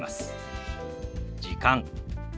「時間」。